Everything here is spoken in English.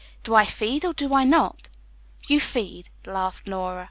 Do I feed or do I not?" "You feed," laughed Nora.